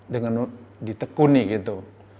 dengan ditekuni gitu